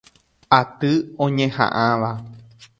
Aty oñeha'ãva.